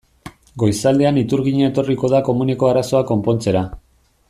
Goizaldean iturgina etorriko da komuneko arazoa konpontzera.